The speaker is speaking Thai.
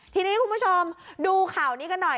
ทีนี้คุณผู้ชมดูข่าวนี้กันหน่อย